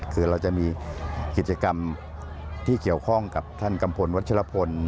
คือเราจะมีกิจกรรมที่เกี่ยวข้องกับท่านกัมพลวัชลพล